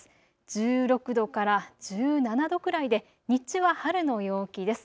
１６度から１７度くらいで日中は春の陽気です。